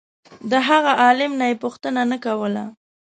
د هغه عالم نه یې پوښتنه نه کوله.